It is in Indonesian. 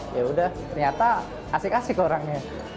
yaudah ternyata asik asik orangnya